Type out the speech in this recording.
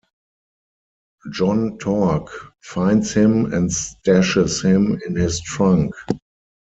John Torque finds him and stashes him in his trunk.